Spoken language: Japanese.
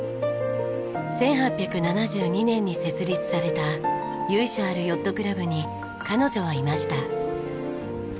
１８７２年に設立された由緒あるヨットクラブに彼女はいました。